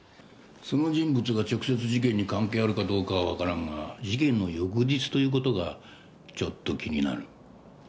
その人物が直接事件に関係あるかどうかはわからんが事件の翌日という事がちょっと気になる。